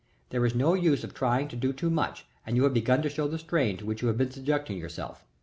There is no use of trying to do too much and you have begun to show the strain to which you have been subjecting yourself.